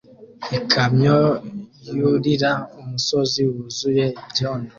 Ikamyo yurira umusozi wuzuye ibyondo